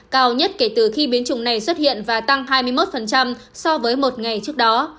cao nhất kể từ khi biến chủng này xuất hiện và tăng hai mươi một so với một ngày trước đó